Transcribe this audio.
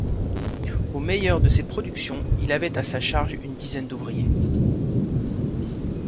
Au meilleur de ses productions, il avait à sa charge une dizaine d’ouvriers.